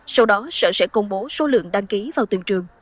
sau đó sở sẽ công bố số lượng đăng ký vào từng trường